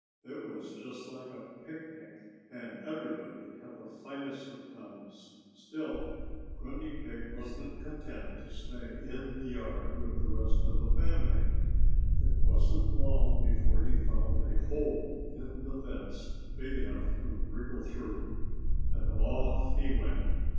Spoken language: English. It was just like a picnic. And everybody had the finest of times. Still, Grunty Pig wasn't content to stay in the yard with the rest of the family. It wasn't long before he found a hole in the fence big enough to wriggle through. And off he went.